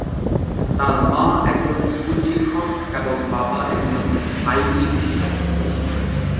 তার মা একজন স্কুল শিক্ষক এবং বাবা একজন আইটি বিশেষজ্ঞ।